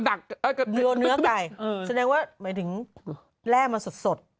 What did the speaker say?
โยนเนื้อไก่แสดงว่าหมายถึงแร่มาสด